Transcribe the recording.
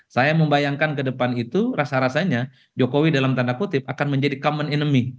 saya membayangkan ke depan itu rasa rasanya jokowi dalam tanda kutip akan menjadi common enemy